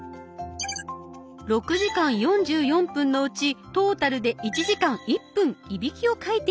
６時間４４分のうちトータルで１時間１分いびきをかいていたという情報です。